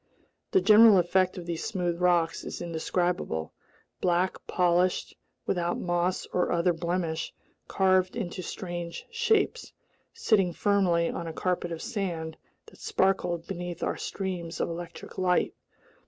The general effect of these smooth rocks is indescribable: black, polished, without moss or other blemish, carved into strange shapes, sitting firmly on a carpet of sand that sparkled beneath our streams of electric light.